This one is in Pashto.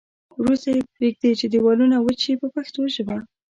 وروسته یې پرېږدي چې دېوالونه وچ شي په پښتو ژبه.